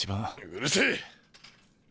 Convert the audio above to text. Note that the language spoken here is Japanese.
うるせえ！